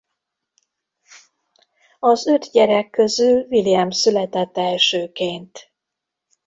Az öt gyerek közül William született elsőként.